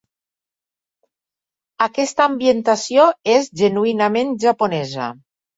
Aquesta ambientació és genuïnament japonesa.